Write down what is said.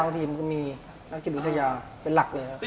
ทีมก็มีนักจิตวิทยาเป็นหลักเลยครับ